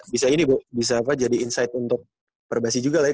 dan ini juga bisa jadi insight untuk perbasis juga lah ya